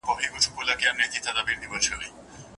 استاد د څېړني پايلې له نورو پوهانو سره شریکوي.